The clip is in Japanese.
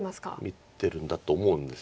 見てるんだと思うんです。